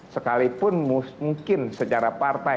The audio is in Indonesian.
sekalipun mungkin secara partai